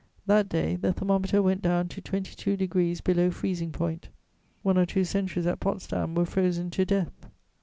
That day, the thermometer went down to 22 degrees below freezing point. One or two sentries at Potsdam were frozen to death.